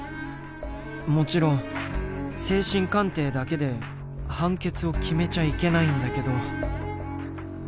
もちろん精神鑑定だけで判決を決めちゃいけないんだけど。